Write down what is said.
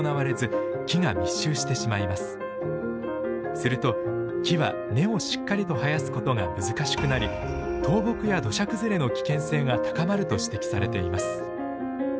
すると木は根をしっかりと生やすことが難しくなり倒木や土砂崩れの危険性が高まると指摘されています。